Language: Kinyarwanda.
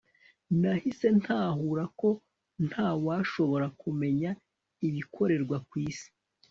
nahise ntahura ko nta washobora kumenya ibikorerwa ku isi